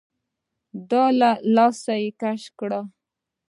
ده له لاسه کش کړه.